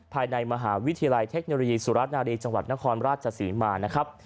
ภายในมหาวิทยาลัยเทคโนโลยีสุรนารีจังหวัดนครราชศรีมานะครับ